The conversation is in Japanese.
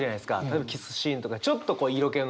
例えばキスシーンとかちょっと色気のある。